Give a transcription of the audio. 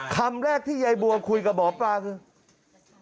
คำแรกที่ยายบัวคุยกับหมอปลาคือ